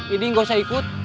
ini gak usah ikut